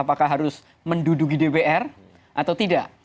apakah harus menduduki dpr atau tidak